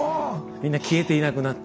みんな消えていなくなって。